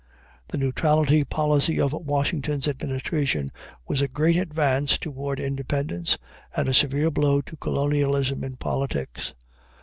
The neutrality policy of Washington's administration was a great advance toward independence and a severe blow to colonialism in politics.